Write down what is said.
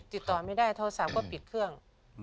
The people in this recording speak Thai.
ติดต่อไม่ได้โทรศัพท์ก็ปิดเครื่อง